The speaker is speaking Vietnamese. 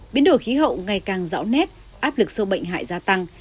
biến đổi khí hậu ngày càng rõ nét áp lực sâu bệnh hại gia tăng